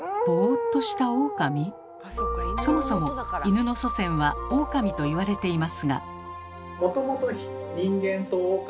そもそもイヌの祖先はオオカミと言われていますが。